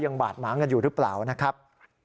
บาดหมางกันอยู่หรือเปล่านะครับ